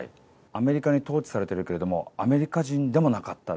アメリカに統治されてるけれども、アメリカ人でもなかった。